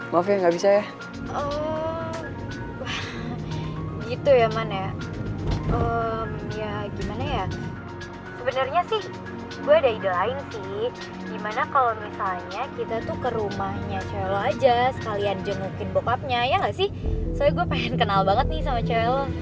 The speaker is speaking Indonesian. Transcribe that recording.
soalnya gue pengen kenal banget nih sama cewe lo